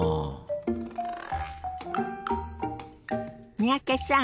三宅さん